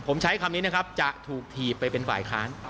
ผมใช้คำนี้นะครับจะถูกถีบไปเป็นฝ่ายค้าน